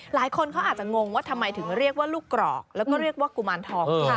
หลายคนเขาอาจจะงงว่าทำไมถึงเรียกว่าลูกกรอกแล้วก็เรียกว่ากุมารทอง